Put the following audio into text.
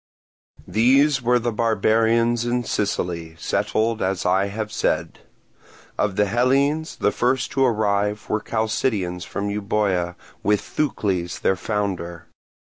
These were the barbarians in Sicily, settled as I have said. Of the Hellenes, the first to arrive were Chalcidians from Euboea with Thucles, their founder.